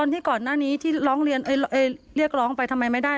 หน้านี้ที่เรียกร้องไปทำไมไม่ได้